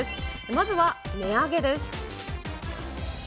まずは値上げです。